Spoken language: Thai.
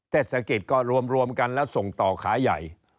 เทศกิจก็รวมกันแล้วส่งต่อขาใหญ่